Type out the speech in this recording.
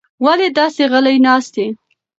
ولې داسې غلې ناسته یې؟